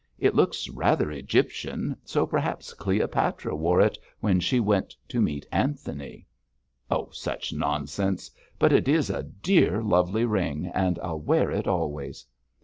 It looks rather Egyptian, so perhaps Cleopatra wore it when she went to meet Anthony!' 'Such nonsense! but it is a dear, lovely ring, and I'll wear it always.'